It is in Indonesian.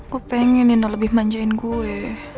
aku pengen nino lebih manjain gue